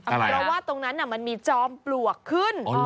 เพราะว่าตรงนั้นมันมีจอมปลวกขึ้น